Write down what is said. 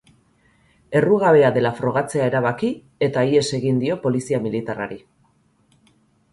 Errugabea dela frogatzea erabaki, eta ihes egingo dio polizia militarrari.